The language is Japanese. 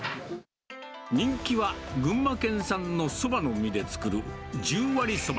人気は、群馬県産のソバの実で作る十割そば。